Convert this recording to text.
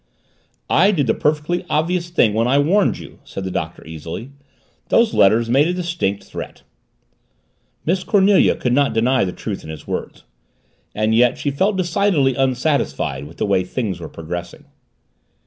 "I did the perfectly obvious thing when I warned you," said the Doctor easily. "Those letters made a distinct threat." Miss Cornelia could not deny the truth in his words. And yet she felt decidedly unsatisfied with the way things were progressing.